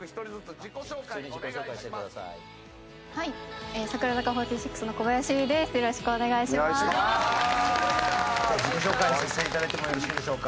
「自己紹介させていただいてもよろしいでしょうか？」。